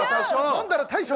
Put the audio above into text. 「飲んだら大将」！